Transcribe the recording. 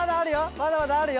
まだまだあるよ！